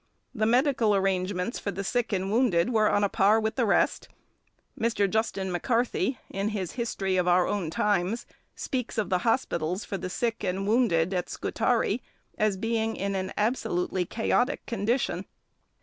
The medical arrangements for the sick and wounded were on a par with the rest. Mr. Justin M'Carthy, in his History of Our Own Times, speaks of the hospitals for the sick and wounded at Scutari as being in an absolutely chaotic condition.